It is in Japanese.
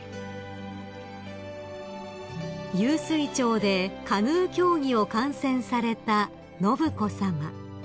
［湧水町でカヌー競技を観戦された信子さま］